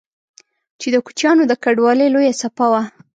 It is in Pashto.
چې د کوچيانو د کډوالۍ لويه څپه وه